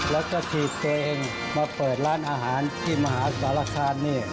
แล้วก็ทีดเองมาเปิดร้านอาหารที่มหาสารธารณ์นี้